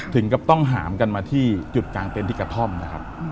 ถึงกับต้องหามกันมาที่จุดกลางเต็นที่กระท่อมนะครับ